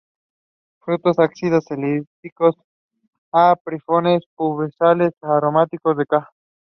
She grew up in Oxford.